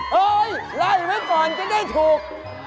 เฮ้ยไล่ไว้ก่อนจะได้ถูก